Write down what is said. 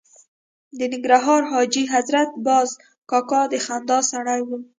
د ننګرهار حاجي حضرت باز کاکا د خندا سړی و.